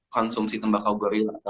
konsumsi tembakau gorilla ataupun apa